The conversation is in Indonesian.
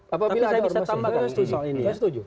tapi saya bisa tambahkan saya setuju